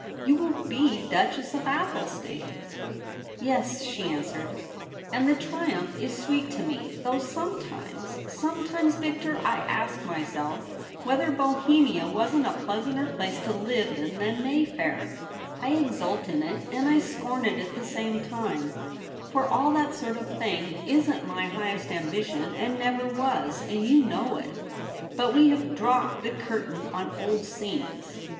You will be Duchess of Athelstane.' ' Yes,' she answered ;' and the triumph is sweet to me, though sometimes — sometimes, Victor, I ask myself whether Bohemia wasn't a pleasanter place to live in than Mayfair. I exult in it, and I scorn it at the same time ; for all that sort of thing isn't my highest am bition, and never was, and you know it. But we have dropped the curtain on old scenes, 'WHO SHALL SEPARATE US?'